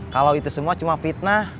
kalau itu semua cuma fitnah